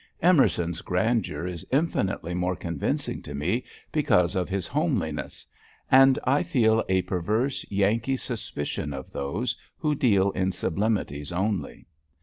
Emerson's grandeur is infinitely more convincing to me because of his homeliness, and I feel a perverse Yankee suspicion of those who deal in sublimities only.